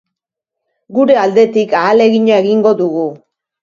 Gure aldetik ahalegina egingo dugu.